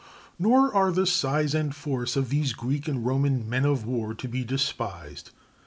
Nor are the size and force of these Greek and Roman men of war to be despised.